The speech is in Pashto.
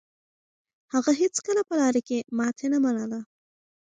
هغه هيڅکله په لاره کې ماتې نه منله.